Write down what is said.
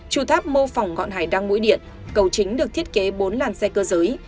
trụ tháp mô phỏng ngọn hải đăng mũi điện cầu chính được thiết kế bốn làn xe cơ giới